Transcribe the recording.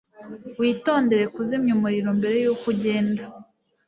Witondere kuzimya umuriro mbere yuko ugenda.